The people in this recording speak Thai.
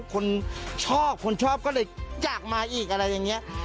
คนชอบคนชอบก็เลยอยากมาอีกอะไรอย่างนี้